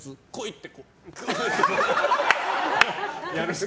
って。